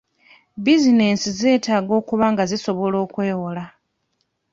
Buzinensi zeetaaga okuba nga sisobola okwewola.